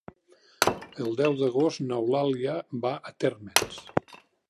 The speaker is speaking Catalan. El deu d'agost n'Eulàlia va a Térmens.